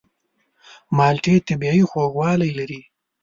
مالټې طبیعي خوږوالی لري.